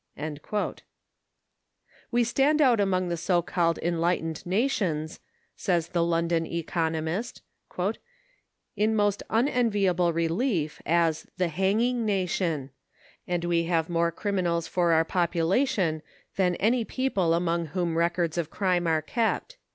*< We stand out among the so caMed enlight 71 ened nations,*' says the London Economist^ " in most unen viable relief, as the hanging nation ; and we have more crimi nals for our population than any people among whom recorda of crime are kept."